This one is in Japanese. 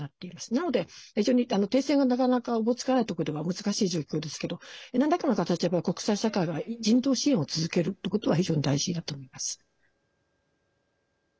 なので、非常に停戦がなかなかおぼつかないところでは難しい状況ですけどなんらかの形で国際社会が人道支援を続けることは非常に大事だと思います。